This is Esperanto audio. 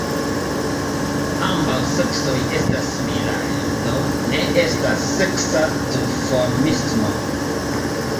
Ambaŭ seksoj estas similaj, do ne estas seksa duformismo.